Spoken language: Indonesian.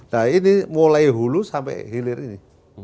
nah ini mulai hulu sampai hilir ini